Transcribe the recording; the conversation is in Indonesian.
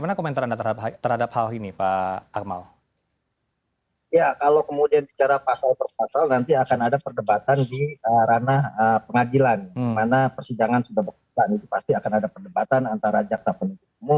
tujuh perjalanan awal